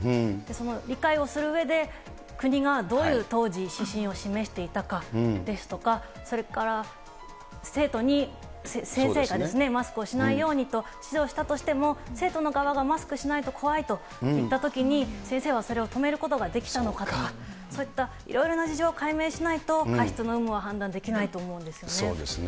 理解をするうえで国がどういう当時、指針を示していたかですとか、それから生徒に先生がですね、マスクをしないようにと指導したとしても、生徒の側がマスクしないと怖いと言ったときに、先生はそれを止めることができたのかとか、そういったいろいろな事情を解明しないと、過失の有無を判断できないと思うんですよね。